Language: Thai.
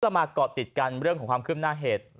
มาเกาะติดกันเรื่องของความคืบหน้าเหตุ